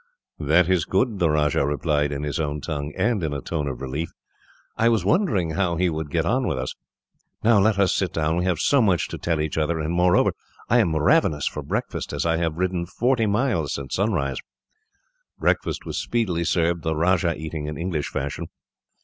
"That is good," the Rajah replied, in his own tongue, and in a tone of relief. "I was wondering how he would get on with us. "Now, let us sit down. We have so much to tell each other, and, moreover, I am ravenous for breakfast, as I have ridden forty miles since sunrise." Breakfast was speedily served, the Rajah eating in English fashion.